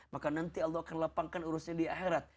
maka nanti allah akan lapangkan urusnya di akhirat